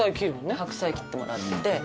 江里子：白菜、切ってもらって。